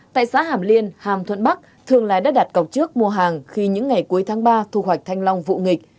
tại xã hàm liên hàm thuận bắc thường là đất đặt cọc trước mùa hàng khi những ngày cuối tháng ba thu hoạch thanh long vụ nghịch